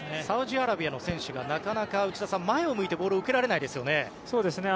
サウジアラビアの選手がなかなか前を向いてボールを受けられないですね。